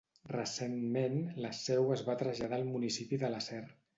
Recentment, la seu es va traslladar al municipi de l'acer.